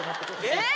えっ？